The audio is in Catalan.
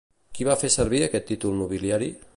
Qui va fer servir aquest títol nobiliari?